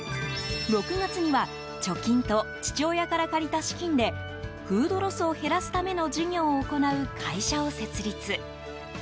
６月には貯金と、父親から借りた資金でフードロスを減らすための事業を行う会社を設立。